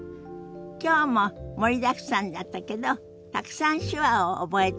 きょうも盛りだくさんだったけどたくさん手話を覚えたでしょ？